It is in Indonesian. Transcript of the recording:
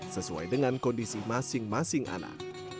sesuai dengan kondisi masing masing anak